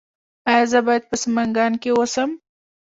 ایا زه باید په سمنګان کې اوسم؟